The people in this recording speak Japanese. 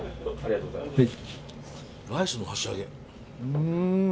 うん。